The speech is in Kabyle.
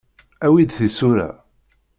Awi-d tisura.